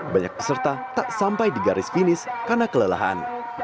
banyak peserta tak sampai di garis finis karena kelelahan